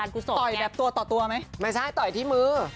ต่อยแบบตัวต่อตัวไหมไม่ใช่ต่อยที่มือ